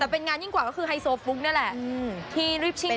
แต่เป็นงานยิ่งกว่าก็คือไฮโซฟุกซ์นั่นแหละที่รีบชิงก่อนเลย